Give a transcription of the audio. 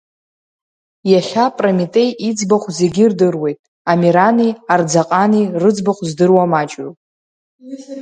Иахьа Прометеи иӡбахә зегьы ирдыруеит, Амирани Арӡаҟани рыӡбахә здыруа маҷҩуп.